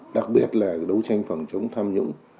đặc biệt là đấu tranh phòng chống tham nhũng